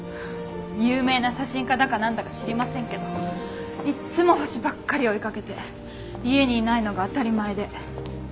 有名な写真家だか何だか知りませんけどいつも星ばっかり追い掛けて家にいないのが当たり前で。